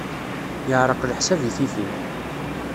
Yeɛreq leḥsab i tifin.